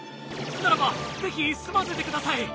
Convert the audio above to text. ならば是非住ませてください！